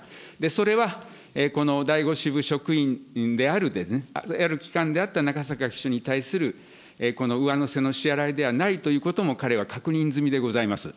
それは、この第５支部職員である期間であった中坂秘書に対するこの上乗せの支払いではないということも、彼は確認済みでございます。